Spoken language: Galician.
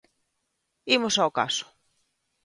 ¡Imos ao caso!